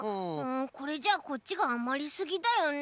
これじゃこっちがあまりすぎだよね。